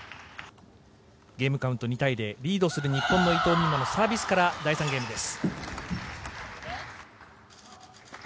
ゲームカウント２対０、リードする日本の伊藤美誠のサーブから第３ゲームです。